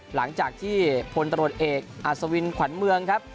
หลังจากที่พลตรวจเอกอัศวินขวัญเมืองครับ